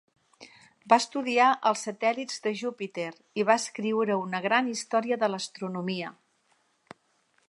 Va estudiar els satèl·lits de Júpiter i va escriure una gran Història de l'Astronomia.